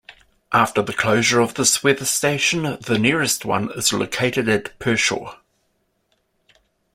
After the closure of this weather station, the nearest one is located at Pershore.